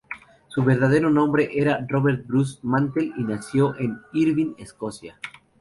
Su verdadero nombre era Robert Bruce Mantell, y nació en Irvine, Escocia.